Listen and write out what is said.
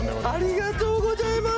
ありがとうございます